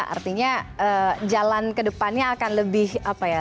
artinya jalan kedepannya akan lebih apa ya